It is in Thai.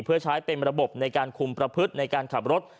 เพื่อใช้เป็นระบบในการคุมประพฤติในการขับรถ